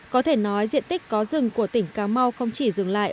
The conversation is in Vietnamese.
có thể nói diện tích có rừng của tỉnh cà mau không chỉ dừng lại